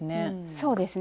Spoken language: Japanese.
そうですね。